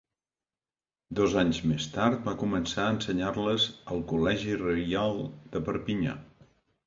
Dos anys més tard va començar a ensenyar-les al Col·legi Reial de Perpinyà.